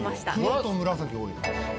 黒と紫多い。